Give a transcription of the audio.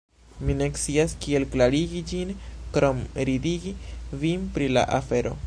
Mi ne scias kiel klarigi ĝin krom ridigi vin pri la afero